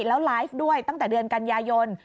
แล้วไลฟ์ด้วยตั้งแต่เดือนกันยายน